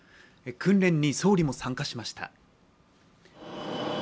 訓練に総理も参加しました。